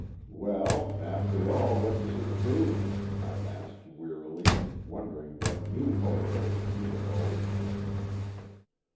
"Well, after all, what does it prove?" I asked, wearily, wondering what new horror was to be divulged.